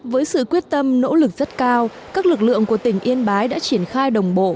với sự quyết tâm nỗ lực rất cao các lực lượng của tỉnh yên bái đã triển khai đồng bộ